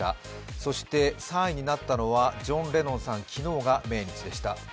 そして３位になったのはジョン・レノンさん、昨日が命日でした。